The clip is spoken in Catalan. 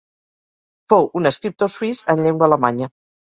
Fou un escriptor suís en llengua alemanya.